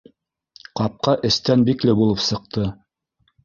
Ҡапҡа эстән бикле булып сыҡты.